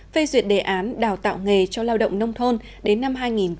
phê duyệt đề án đào tạo nghề cho lao động nông thôn đến năm hai nghìn hai mươi